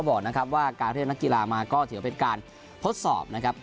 บอกนะครับว่าการเรียกนักกีฬามาก็ถือเป็นการทดสอบนะครับ